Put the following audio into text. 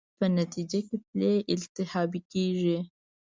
په نتېجه کې پلې التهابي کېږي.